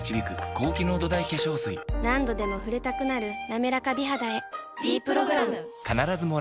何度でも触れたくなる「なめらか美肌」へ「ｄプログラム」